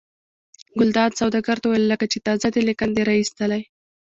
ګلداد سوداګر ته وویل لکه چې تازه دې له کندې را ایستلي.